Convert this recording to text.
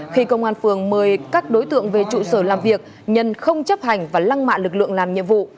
khi công an phường mời các đối tượng về trụ sở làm việc nhân không chấp hành và lăng mạ lực lượng làm nhiệm vụ